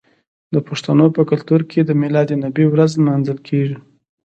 د پښتنو په کلتور کې د میلاد النبي ورځ لمانځل کیږي.